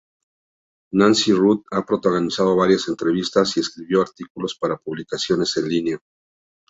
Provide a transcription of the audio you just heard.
Nancy Ruth ha protagonizado varias entrevistas y escribió artículos para publicaciones en línea.